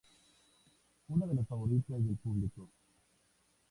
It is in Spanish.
Una de las favoritas del público.